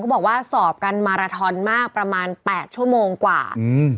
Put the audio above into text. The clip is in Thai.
บอกว่าสอบกันมาราทอนมากประมาณแปดชั่วโมงกว่าอืม